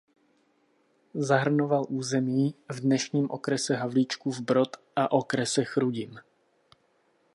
Zahrnoval území v dnešním okrese Havlíčkův Brod a okrese Chrudim.